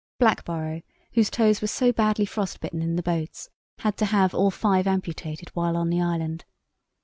Blackborrow, whose toes were so badly frost bitten in the boats, had to have all five amputated while on the island.